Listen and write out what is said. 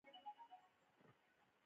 بره خوا کې د خاشاکو یوه جزیره وه.